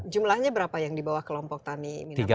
jumlahnya berapa yang dibawah kelompok tani